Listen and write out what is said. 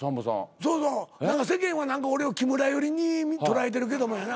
そうそう世間は何か俺を木村寄りに捉えてるけどもやな。